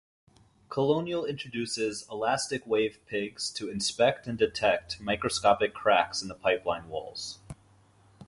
Colonial introduces elastic-wave pigs to inspect and detect microscopic cracks in the pipeline walls.